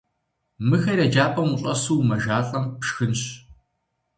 Мыхэр еджапӀэм ущӀэсу умэжалӀэм, пшхынщ.